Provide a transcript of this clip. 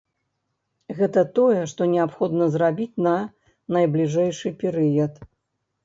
Гэта тое, што неабходна зрабіць на найбліжэйшы перыяд.